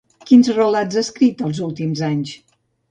Quins relats ha escrit els últims anys?